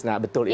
nah betul ini